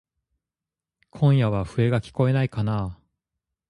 今夜は笛がきこえないかなぁ。